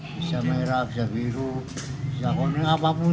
bisa merah bisa biru bisa kontingen apapun